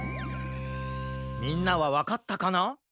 みんなはわかったかな？